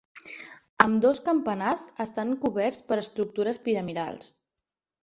Ambdós campanars estan coberts per estructures piramidals.